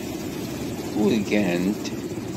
Urgant.